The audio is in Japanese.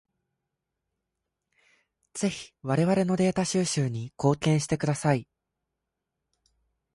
ぜひ我々のデータ収集に貢献してください。